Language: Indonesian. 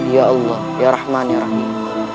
ya allah ya rahman ya rahmi